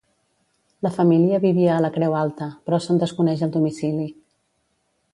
La família vivia a la Creu Alta, però se'n desconeix el domicili.